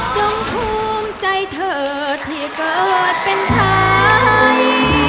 ภูมิใจเธอที่เกิดเป็นไทย